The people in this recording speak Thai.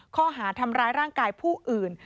ข้อหาทำร้ายร่างกายผู้อื่น